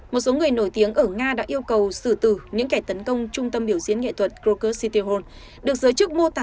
một số người nổi tiếng ở nga đã yêu cầu xử tử những kẻ tấn công trung tâm biểu diễn nghệ thuật